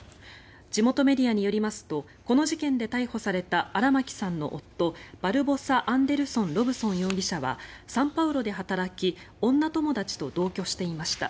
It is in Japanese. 地元メディアによりますとこの事件で逮捕された荒牧さんの夫バルボサ・アンデルソン・ロブソン容疑者はサンパウロで働き女友達と同居していました。